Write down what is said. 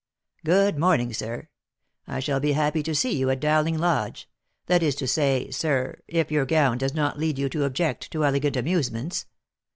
" Good morning, sir; I shall be happy to see you at Bowling Lodge — that is to say, sir, if your gown does not lead you to object to elegant amusements.